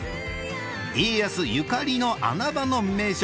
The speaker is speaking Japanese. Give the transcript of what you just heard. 家康ゆかりの穴場の名所